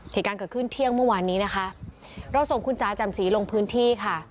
เหตุการณ์เกิดขึ้นเที่ยงเมื่อวานนี้นะคะเราส่งคุณจ๋าจำสีลงพื้นที่ค่ะ